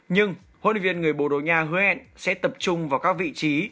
nhưng huấn luyện viên người bầu đội nha hứa hẹn sẽ tập trung vào các vị trí